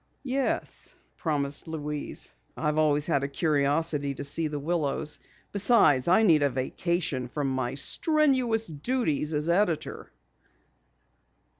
"Yes," promised Louise. "I've always had a curiosity to see The Willows. Besides, I need a vacation from my strenuous duties as editor."